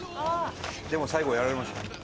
でも最後はやられますね。